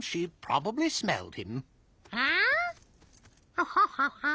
ア？ハハハハ？